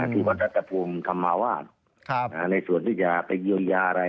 คือจัดการภูมิทำมาว่าในส่วนที่จะไปเยียวยาอะไร